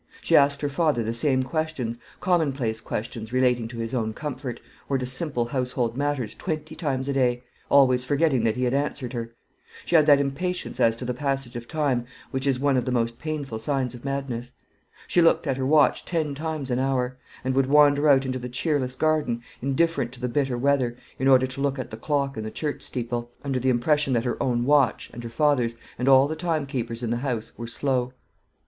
She asked her father the same questions commonplace questions relating to his own comfort, or to simple household matters, twenty times a day, always forgetting that he had answered her. She had that impatience as to the passage of time which is one of the most painful signs of madness. She looked at her watch ten times an hour, and would wander out into the cheerless garden, indifferent to the bitter weather, in order to look at the clock in the church steeple, under the impression that her own watch, and her father's, and all the time keepers in the house, were slow.